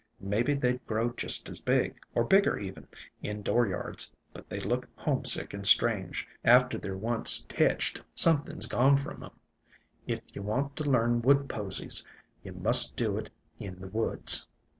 Mebbe they 'd grow just as big, or bigger even, in dooryards, but they look homesick and strange. Af ter they're once teched something 's gone from 'em. If ye want to learn wood posies ye must do it in the woods.